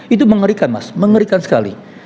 itu mengerikan mas mengerikan sekali